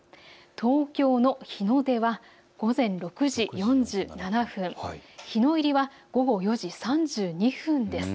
東京の日の出は午前６時４７分、日の入りは午後４時３２分です。